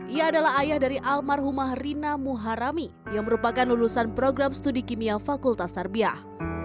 ia adalah ayah dari almarhumah rina muharami yang merupakan lulusan program studi kimia fakultas tarbiah